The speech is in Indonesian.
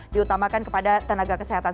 diutamakan kepada tenaga kesehatan